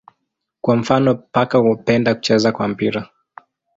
Kwa mfano paka hupenda kucheza kwa mpira.